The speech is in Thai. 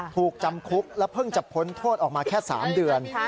ถูกจำคุกและเพิ่งจะพ้นโทษออกมาแค่๓เดือน